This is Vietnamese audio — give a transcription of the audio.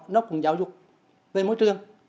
nó cũng giáo dục về môi trường